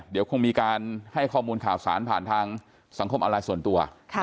เดี๋ยวคงมีการให้ข้อมูลข่าวสารผ่านทางสังคมออนไลน์ส่วนตัว